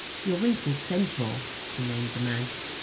'Your wrinkled centaur,' she named the man.